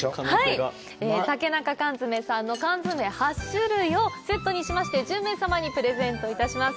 はい竹中罐詰さんの缶詰８種類をセットにしまして１０名様にプレゼント致します